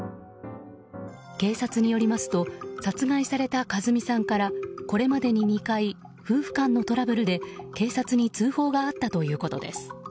警察によりますと殺害された佳寿美さんからこれまでに２回夫婦間のトラブルで警察に通報があったということです。